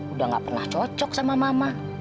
udah gak pernah cocok sama mama